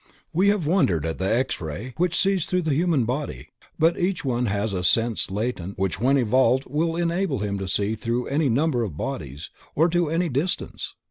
We have wondered at the X ray, which sees through the human body, but each one has a sense latent which when evolved will enable him to see through any number of bodies or to any distance.